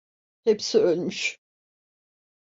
Hepsi ölmüş.